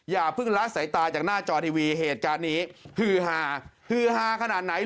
อย่าเพิ่งละสายตาจากหน้าจอทีวีเหตุการณ์นี้ฮือฮาฮือฮาขนาดไหน